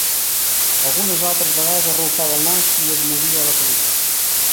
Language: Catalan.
Algunes altres vegades arrufava al nas i es movia a la cadira.